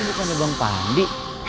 itu bukan bang pandi